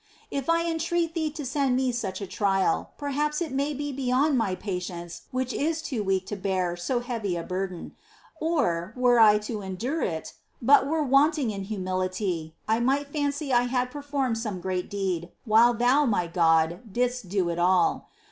3. If I entreat Thee to send me such a trial, perhaps it may be beyond my patience which is too weak to bear so heavy a burden ; or, were I to endure it, but were wanting in humility, I might fancy I had performed some great deed, while Thou, my God, didst do it all.